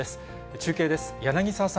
中継です。